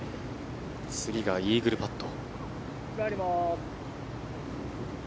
次がイーグルパット。